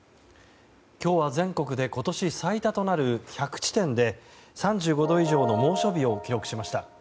今日は全国で今年最多となる１００地点で３５度以上の猛暑日を記録しました。